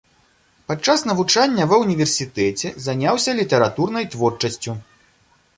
Падчас навучання ва ўніверсітэце заняўся літаратурнай творчасцю.